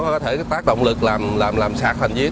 nó có thể tác động lực làm sạt hành diễn